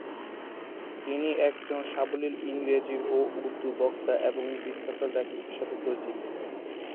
তিনি একজন সাবলীল ইংরেজি ও উর্দু বক্তা এবং বিখ্যাত লেখক হিসাবে পরিচিত।